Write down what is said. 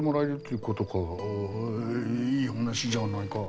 いい話じゃないか。